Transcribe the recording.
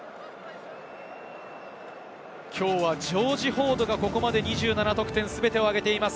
きょうはジョージ・フォードがここまで２７得点全てを挙げています。